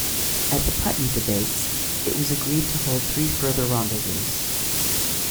At the Putney Debates it was agreed to hold three further rendezvous.